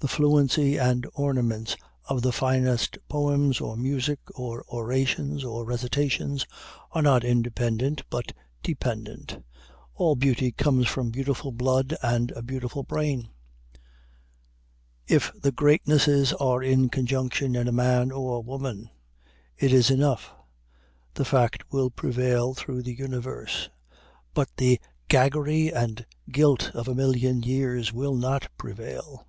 The fluency and ornaments of the finest poems or music or orations or recitations, are not independent but dependent. All beauty comes from beautiful blood and a beautiful brain. If the greatnesses are in conjunction in a man or woman, it is enough the fact will prevail through the universe; but the gaggery and gilt of a million years will not prevail.